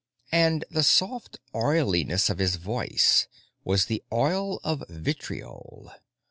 And the soft oiliness of his voice was the oil of vitriol.